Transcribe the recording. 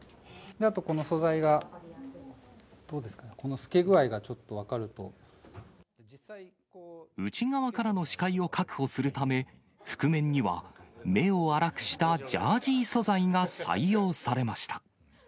あとこの素材が、どうですか、内側からの視界を確保するため、覆面には目を粗くしたジャージー素材が採用されました。